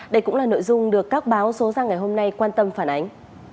đây cũng là nội dung được các báo số ra ngày hôm nay quan tâm phản ánh